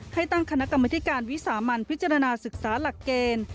ตั้งคณะกรรมธิการวิสามันพิจารณาศึกษาหลักเกณฑ์